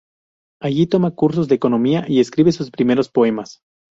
Allí toma cursos de economía y escribe sus primeros poemas.